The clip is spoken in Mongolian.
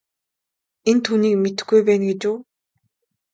Энэ түүнийг мэдэхгүй байна гэж үү.